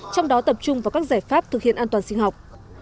trong đó tập trung vào các giải pháp thực hiện an toàn sinh học